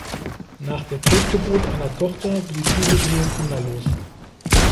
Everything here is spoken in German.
Nach der Totgeburt einer Tochter blieb diese Ehe kinderlos.